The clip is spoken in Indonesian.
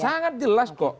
sangat jelas kok